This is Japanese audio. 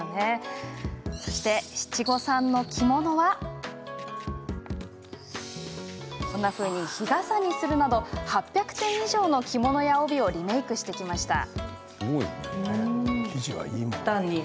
七五三の着物は日傘にするなど８００点以上の着物や帯をリメークしてきました。